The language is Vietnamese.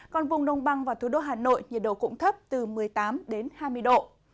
còn vùng đông băng và thủ đô hà nội nhiệt độ cũng thấp từ một mươi tám đến hai mươi độ